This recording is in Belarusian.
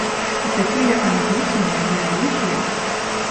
І такія амбітныя, вялікія.